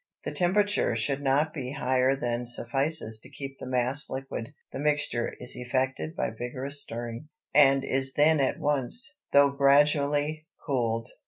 The temperature should not be higher than suffices to keep the mass liquid; the mixture is effected by vigorous stirring, and is then at once, though gradually, cooled.